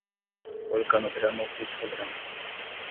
Organograma ou fluxograma